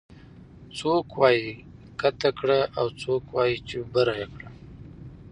څوک وايي کته کړه او څوک وايي چې بره کړه